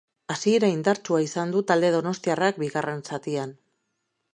Hasiera indartsua izan du talde donostiarrak bigarren zatian.